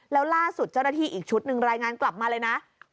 แล้วล่าสุดเจ้าหน้าที่อีกชุดหนึ่งรายงานกลับมาเลยนะ